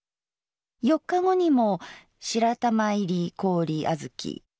４日後にも「白玉入り氷あづき」。